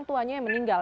yang tuanya meninggal